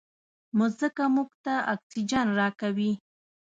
مځکه موږ ته اکسیجن راکوي.